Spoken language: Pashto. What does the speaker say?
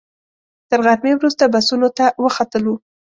تر غرمې وروسته بسونو ته وختلو.